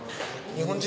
日本人。